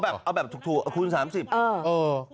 เอาแบบถูกคูณ๓๐หรอ